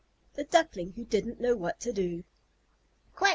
THE DUCKLING WHO DIDN'T KNOW WHAT TO DO "Quack!